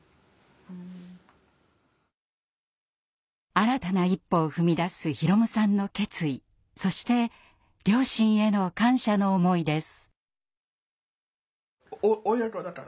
新たな一歩を踏み出す宏夢さんの決意そして両親への感謝の思いです。